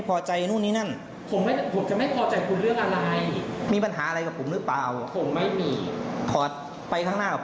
ข้างหน้าคืออะไรครับ